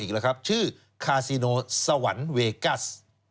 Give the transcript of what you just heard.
อีกแล้วครับชื่อคาซิโนสวรรค์เวกัส